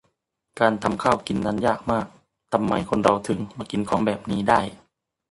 การทำข้าวกินนั้นยากมาก ทำไมคนเราถึงมากินของแบบนี้ได้